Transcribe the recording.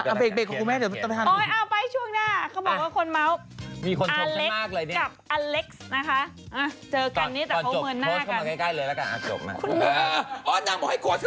ขอบคุณแม่ค่ะดูเสื้อสินค้านิดหนึ่งกับเสื้อหนูค่ะ